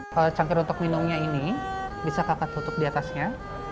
kalau cangkir untuk minumnya ini bisa kakak tutup di atasnya